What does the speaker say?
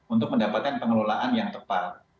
untuk mendapatkan pengelolaan yang tepat